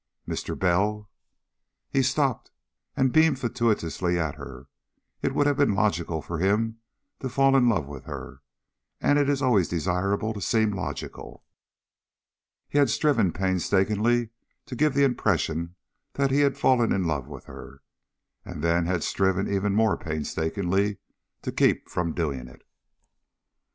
"Mr. Bell." He stopped and beamed fatuously at her. It would have been logical for him to fall in love with her, and it is always desirable to seem logical. He had striven painstakingly to give the impression that he had fallen in love with her and then had striven even more painstakingly to keep from doing it.